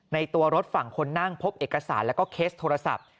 ตัวรถฝั่งคนนั่งพบเอกสารแล้วก็เคสโทรศัพท์